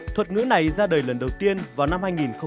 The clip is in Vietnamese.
thuật ngữ này ra đời lần đầu tiên vào năm hai nghìn chín